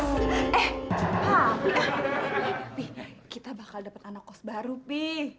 bi kita bakal dapet anak kos baru bi